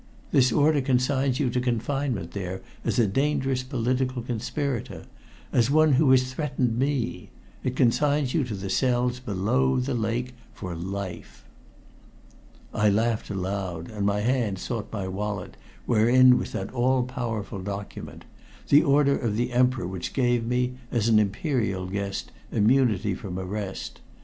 This order consigns you to confinement there as a dangerous political conspirator, as one who has threatened me it consigns you to the cells below the lake for life!" I laughed aloud, and my hand sought my wallet wherein was that all powerful document the order of the Emperor which gave me, as an imperial guest, immunity from arrest.